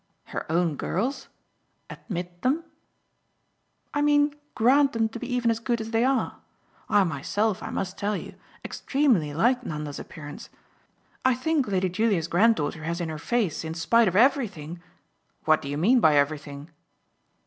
"Her own girl's? 'Admit' them?" "I mean grant them to be even as good as they are. I myself, I must tell you, extremely like Nanda's appearance. I think Lady Julia's granddaughter has in her face, in spite of everything !" "What do you mean by everything?"